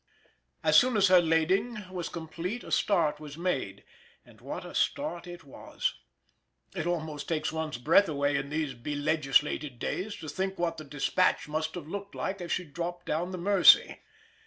As soon as her lading was complete a start was made. And what a start it was! It almost takes one's breath away in these be legislated days to think what the Despatch must have looked like as she dropped down the Mersey.